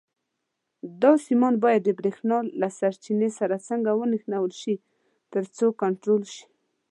دا سیمان باید د برېښنا له سرچینې سره څنګه ونښلول شي ترڅو کنټرول شي.